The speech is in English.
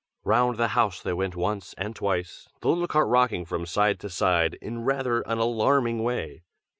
Round the house they went once and twice, the little cart rocking from side to side in rather an alarming way.